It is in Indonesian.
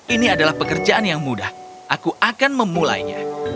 ini adalah pekerjaan yang mudah aku akan memulainya